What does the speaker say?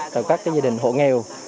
và các gia đình hộ nghèo